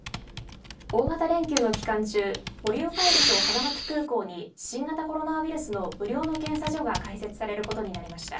大型連休の期間中盛岡駅と花巻空港に新型コロナウイルスの無料の検査所が開設されることになりました。